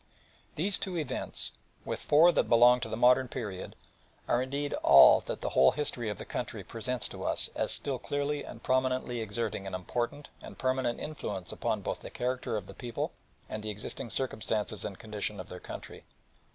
These two events, with four that belong to the modern period, are indeed all that the whole history of the country presents to us as still clearly and prominently exerting an important and permanent influence upon both the character of the people and the existing circumstances and condition of their country.